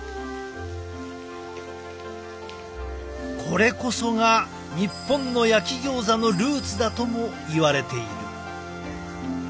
これこそが日本の焼きギョーザのルーツだともいわれている。